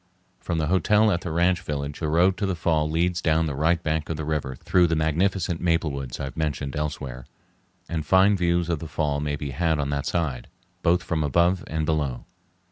From the hotel at the ranch village the road to the fall leads down the right bank of the river through the magnificent maple woods I have mentioned elsewhere, and fine views of the fall may be had on that side, both from above and below.